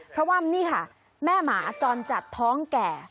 เพราะว่านี่ค่ะแม่หมาจรจัดท้องแก่